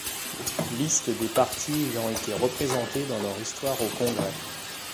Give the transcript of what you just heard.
Liste des partis ayant été représentés dans leur histoire au Congrès.